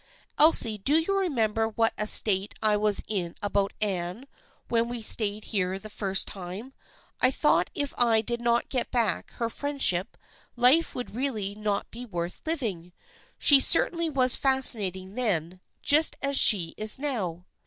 " Elsie, do you remember what a state I was in about Anne, when we stayed here the first time ? I thought if I did not get back her friendship, life would really not be worth living. She certainly was fascinat ing then, just as she is now."